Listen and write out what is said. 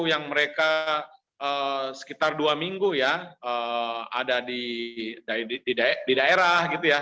yang mereka sekitar dua minggu ya ada di daerah gitu ya